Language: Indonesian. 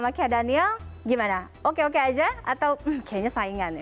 oke daniel gimana oke oke aja atau kayaknya saingan ya